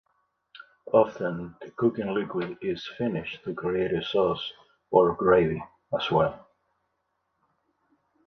Often the cooking liquid is finished to create a sauce or gravy, as well.